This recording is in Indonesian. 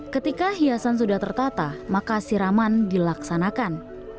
ketika hiasan sudah tertata maka siraman dilaksanakan